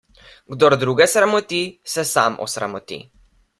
Kdor druge sramoti, se sam osramoti.